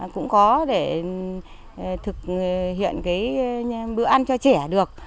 cũng có để thực hiện cái bữa ăn cho trẻ được